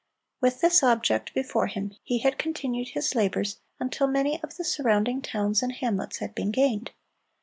With this object before him, he had continued his labors until many of the surrounding towns and hamlets had been gained.